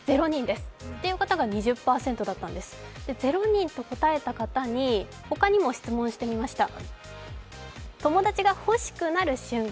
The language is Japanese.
０人と答えた方に、他にも質問してみました。